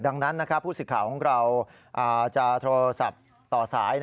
ดังนั้นผู้สื่อข่าวของเราจะโทรศัพท์ต่อสาย